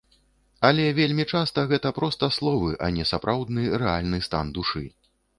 Але вельмі часта гэта проста словы, а не сапраўдны рэальны стан душы.